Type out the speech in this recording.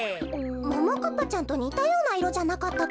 ももかっぱちゃんとにたようないろじゃなかったっけ。